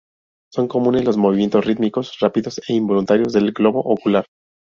Son comunes los movimientos rítmicos, rápidos e involuntarios del globo ocular.